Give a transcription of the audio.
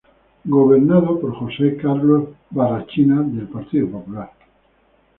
Gobernado por Jose Carlos Barrachina del Partido Popular.